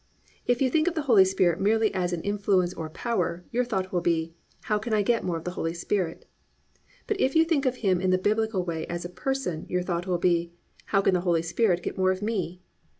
If you think of the Holy Spirit merely as an influence or power, your thought will be, "How can I get more of the Holy Spirit?" But if you think of Him in the Biblical way as a person, your thought will be, "How can the Holy Spirit get more of me?"